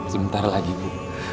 sebentar lagi bu